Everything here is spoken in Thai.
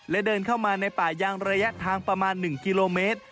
และเดินเข้ามาในป่ายางระยะทางประมาณ๑กิโลเมตร